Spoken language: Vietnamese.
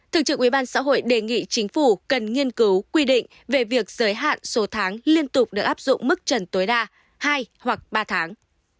thường trực ubnd xã hội đề nghị chính phủ cần nghiên cứu quy định về việc giới hạn số tháng liên tục được áp dụng mức trần tối đa hai hoặc ba tháng